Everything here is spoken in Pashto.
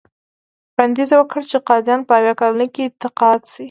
وړاندیز یې وکړ چې قاضیان په اویا کلنۍ کې تقاعد شي.